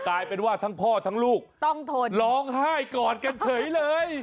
กลายเป็นว่าทั้งพ่อทั้งลูกต้องทนร้องไห้กอดกันเฉยเลย